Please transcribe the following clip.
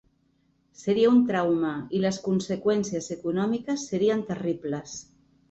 Seria un trauma i les conseqüències econòmiques serien terribles.